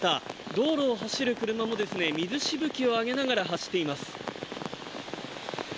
道路を走る車も水しぶきを上げながら走っています。